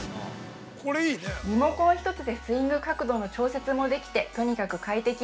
◆リモコン１つでスイング角度の調節もできてとにかく快適。